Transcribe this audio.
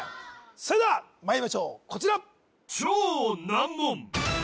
それではまいりましょうこちら